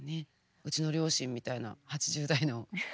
うちの両親みたいな８０代の。